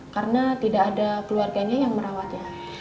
karena tidak ada keluarganya yang merawatnya